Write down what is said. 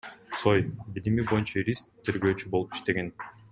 Цой — билими боюнча юрист, тергөөчү болуп иштеген.